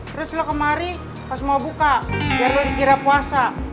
terus lo kemari pas mau buka dulu dikira puasa